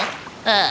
kail yang spesial